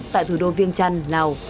tại thủ đô viêng trăn lào